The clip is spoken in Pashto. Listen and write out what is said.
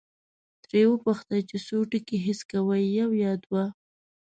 ترې وپوښتئ چې څو ټکي حس کوي، یو یا دوه؟